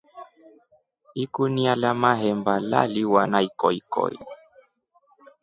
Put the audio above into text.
Ikunia la mahemba laliwa na ikokoi.